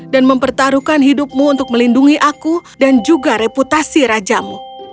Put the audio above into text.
dan mempertaruhkan hidupmu untuk melindungi aku dan juga reputasi rajamu